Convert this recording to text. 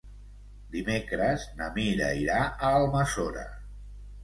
Dimecres na Mira irà a Almassora.